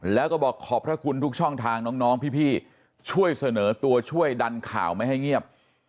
แล้วก็บอกขอบพระคุณทุกช่องทางน้องพี่ช่วยเสนอตัวช่วยดันข่าวไม่ให้เงียบ